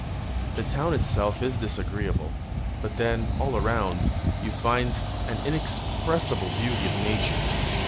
The town itself is disagreeable; but then, all around, you find an inexpressible beauty of nature.